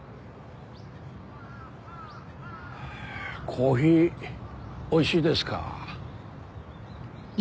コーヒーおいしいですか？